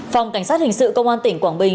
phòng cảnh sát hình sự công an tỉnh quảng bình